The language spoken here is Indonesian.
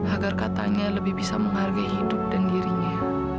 agar katanya lebih bisa menghargai hidup dan dirinya